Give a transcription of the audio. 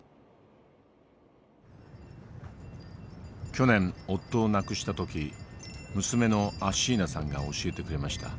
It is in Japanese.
去年夫を亡くした時娘のアシーナさんが教えてくれました。